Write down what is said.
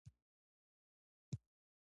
د افغانستان طبیعت له دریابونه څخه جوړ شوی دی.